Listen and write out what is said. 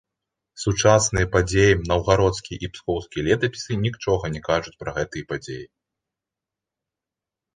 Сучасныя падзеям наўгародскія і пскоўскія летапісы нічога не кажуць пра гэтыя падзеі.